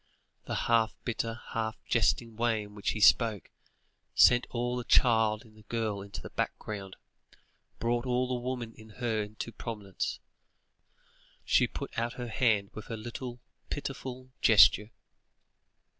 The half bitter, half jesting way in which he spoke, sent all the child in the girl into the background, brought all the woman in her into prominence; she put out her hand with a little pitiful gesture.